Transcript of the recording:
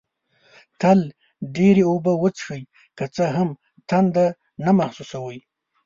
تل ډېري اوبه وڅېښئ، که څه هم تنده نه محسوسوئ